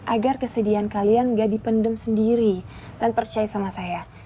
agar kesedihan kalian gak dipendem sendiri dan percaya sama saya